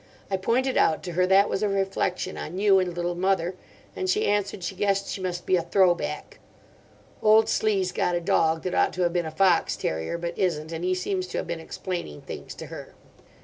I pointed out to her that was a reflection on you and Little Mother; and she answered she guessed she must be a 'throw back.' Old Slee's got a dog that ought to have been a fox terrier, but isn't, and he seems to have been explaining things to her.